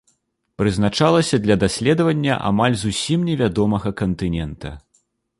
Прызначалася для даследавання амаль зусім невядомага кантынента.